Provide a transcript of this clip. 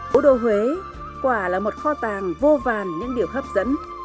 cố đô huế quả là một kho tàng vô vàn những điều hấp dẫn